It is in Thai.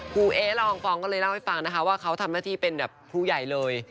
เอ๊ละอองฟองก็เลยเล่าให้ฟังนะคะว่าเขาทำหน้าที่เป็นแบบครูใหญ่เลย